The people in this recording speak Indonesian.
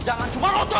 jangan cuma otot